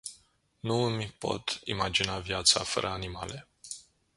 Nu îmi pot imagina viața fără animale.